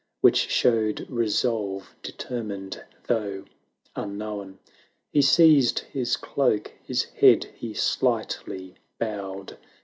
Which showed resolve, determined, though unknown. He seized his cloak — his head he slightly bowed.